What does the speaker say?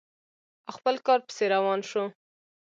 او خپل کار پسې روان شو.